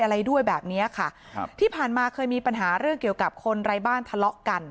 อะไรด้วยแบบเนี้ยค่ะครับที่ผ่านมาเคยมีปัญหาเรื่องเกี่ยวกับคนไร้บ้านทะเลาะกัน